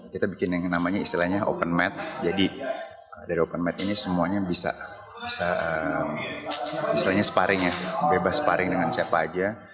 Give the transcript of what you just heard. kita islinya sparing ya bebas sparing dengan siapa aja